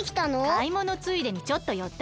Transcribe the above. かいものついでにちょっとよっただけ。